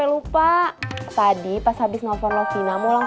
iya nanti aku kabarin kalau udah pulang